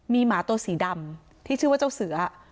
มีหมาตัวสีดำที่ชื่อว่าเจ้าเสือ